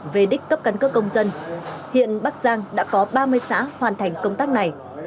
về đích cấp căn cước công dân hiện bắc giang đã có ba mươi xã hoàn thành công tác này